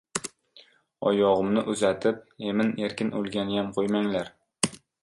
Oyog‘imni uzatib, emin-erkin o‘lganiyam qo‘ymanglar!